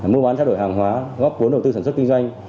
mua bán trao đổi hàng hóa góp vốn đầu tư sản xuất kinh doanh